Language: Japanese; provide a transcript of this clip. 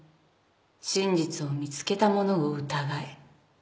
「真実を見つけたものを疑え」